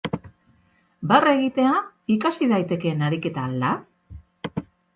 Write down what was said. Barre egitea ikasi daitekeen ariketa al da?